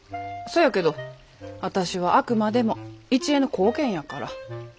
そやけど私はあくまでも一恵の後見やから。